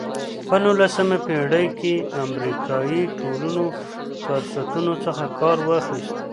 په نولسمه پېړۍ کې افریقایي ټولنو فرصتونو څخه کار واخیست.